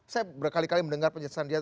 saya berkali kali mendengar penjelasan dia